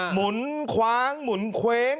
หมุนคว้างหมุนเคว้ง